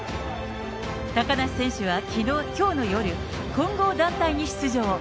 高梨選手はきょうの夜、混合団体に出場。